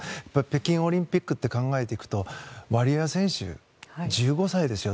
北京オリンピックって考えていくとワリエワ選手、１５歳ですよ。